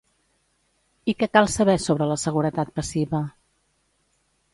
I què cal saber sobre la seguretat passiva?